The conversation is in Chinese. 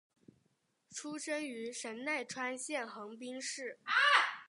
出身于神奈川县横滨市。